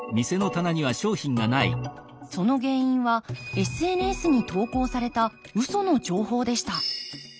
その原因はＳＮＳに投稿されたウソの情報でした。